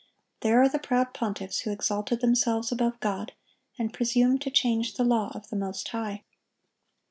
There are the proud pontiffs who exalted themselves above God, and presumed to change the law of the Most High.